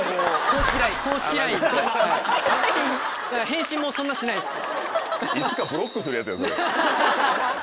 返信もそんなしないです。